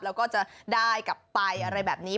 แล้วก็จะได้กลับไปอะไรแบบนี้